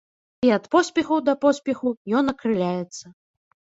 І ад поспеху да поспеху ён акрыляецца.